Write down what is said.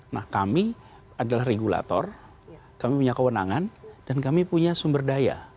nah kami adalah regulator kami punya kewenangan dan kami punya sumber daya